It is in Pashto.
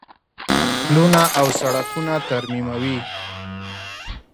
پلونه او سړکونه ترمیموي.